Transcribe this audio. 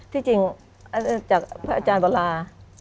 ที่จริงจากพระอาจารย์วรา